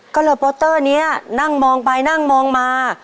ก็เลยโปสเตอร์นี้นั่งมองไปนั่งมองมา